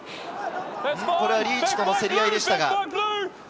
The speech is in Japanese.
これはリーチとの競り合いでした。